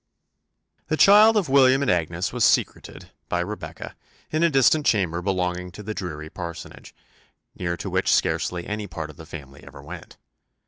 The child of William and Agnes was secreted, by Rebecca, in a distant chamber belonging to the dreary parsonage, near to which scarcely any part of the family ever went.